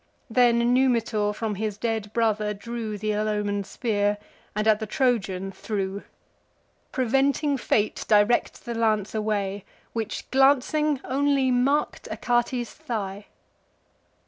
Then Numitor from his dead brother drew Th' ill omen'd spear, and at the Trojan threw: Preventing fate directs the lance awry, Which, glancing, only mark'd Achates' thigh.